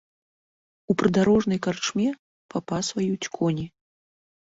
У прыдарожнай карчме папасваюць коні.